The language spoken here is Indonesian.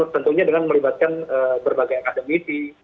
tentunya dengan melibatkan berbagai akademisi